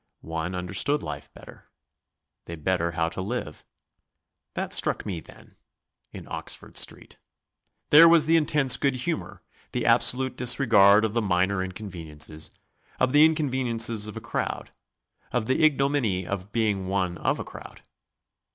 One understood life better; they better how to live. That struck me then in Oxford Street. There was the intense good humour, the absolute disregard of the minor inconveniences, of the inconveniences of a crowd, of the ignominy of being one of a crowd.